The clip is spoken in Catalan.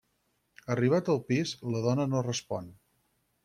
Arribat al pis, la dona no respon.